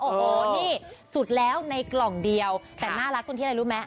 โอ้โหนี่สุดแล้วในกล่องเดียวแต่น่ารักตรงที่อะไรรู้ไหม